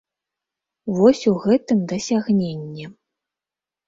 Вось у гэтым дасягненне.